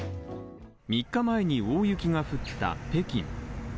３日前に大雪が降った、北京。